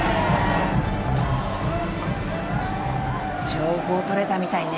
情報取れたみたいね。